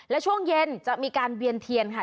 และช่วงเย็นจะมีการเวียนเทียนค่ะ